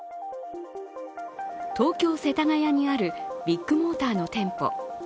東京・世田谷にあるビッグモーターの店舗。